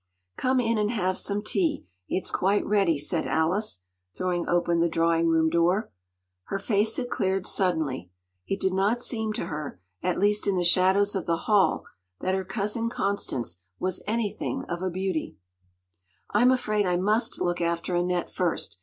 “Come in and have some tea. It’s quite ready,” said Alice, throwing open the drawing room door. Her face had cleared suddenly. It did not seem to her, at least in the shadows of the hall, that her cousin Constance was anything of a beauty. “I’m afraid I must look after Annette first.